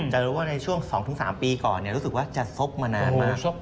จะรู้ว่าในช่วง๒๓ปีก่อนรู้สึกว่าจะซบมานานมาก